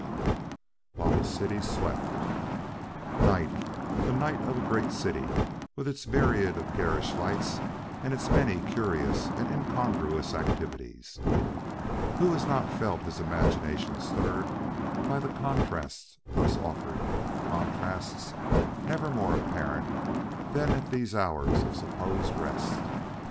IX WHILE THE CITY SLEPT Night the night of a great city with its myriad of garish lights and its many curious and incongruous activities. Who has not felt his imagination stirred by the contrasts thus offered contrasts never more apparent than at these hours of supposed rest?